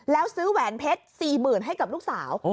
แล้วซื้อแหวนเพชร๔๐๐๐ให้กับลูกสาว